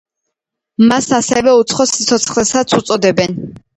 მას ასევე უცხო სიცოცხლესაც უწოდებენ.